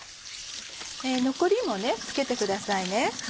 残りも付けてくださいね。